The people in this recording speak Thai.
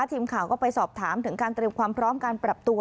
ทีมข่าวก็ไปสอบถามถึงการเตรียมความพร้อมการปรับตัว